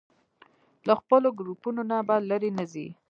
له خپلو ګروپونو نه به لرې نه ځئ.